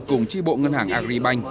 cùng tri bộ ngân hàng agribank